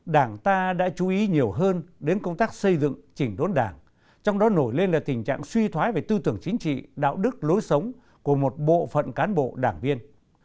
đảng ta đã chú ý nhiều hơn đến công tác xây dựng chỉnh đốn đảng trong đó nổi lên là tình trạng suy thoái về tư tưởng chính trị đạo đức lối sống của một bộ phận cán bộ đảng viên